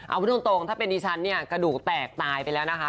เอาตรงถ้าเป็นดิฉันเนี่ย